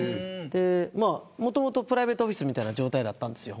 もともとプライベートオフィスみたいな状態だったんですよ。